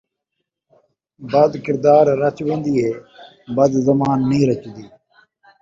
بد کردار رچ ویندی ہے ، بد زبان نئیں رچدی